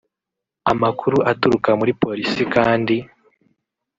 Amakuru aturuka muri Polisi kandi